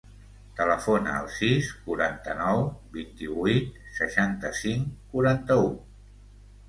Telefona al sis, quaranta-nou, vint-i-vuit, seixanta-cinc, quaranta-u.